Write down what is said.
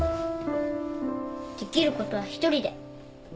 できることは一人で。